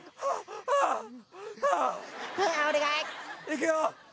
いくよ！